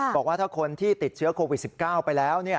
บอกว่าถ้าคนที่ติดเชื้อโควิด๑๙ไปแล้ว